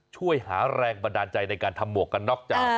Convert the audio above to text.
ช่วยหาแรงบันดาลใจในการทำหมวกกันนอกจาก